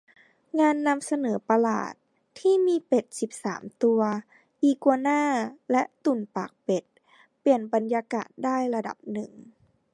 งานนำเสนอประหลาดที่มีเป็ดสิบสามตัว อีกัวน่า และตุ่นปากเป็ด เปลี่ยนบรรยากาศได้ระดับหนึ่ง